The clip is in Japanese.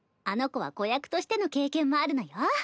あの子は子役としての経験もあるのよ。